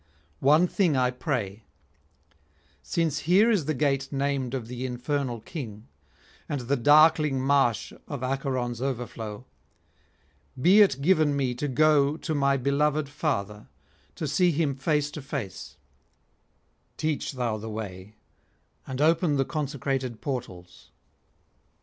One thing I pray; since here is the gate named of the infernal king, and the darkling marsh of Acheron's overflow, be it given me to go to my beloved father, to see him face to face; teach thou the way, and open the consecrated portals.